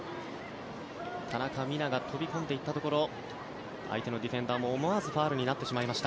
田中美南が飛び込んでいったところ相手のディフェンダーも思わずファウルになってしまいました。